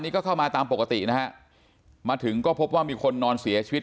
นี่ก็เข้ามาตามปกตินะฮะมาถึงก็พบว่ามีคนนอนเสียชีวิต